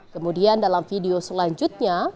kemudian dalam video selanjutnya